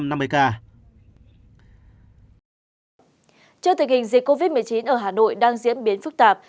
trước tình hình dịch covid một mươi chín ở hà nội đang diễn biến phức tạp